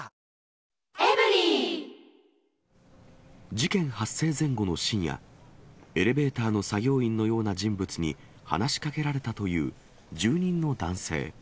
事件発生前後の深夜、エレベーターの作業員のような人物に話しかけられたという住人の男性。